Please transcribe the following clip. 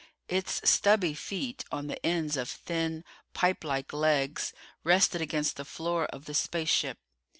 Its stubby feet, on the ends of thin, pipelike legs, rested against the floor of the space ship.